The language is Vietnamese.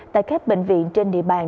tại các bệnh viện trên địa bàn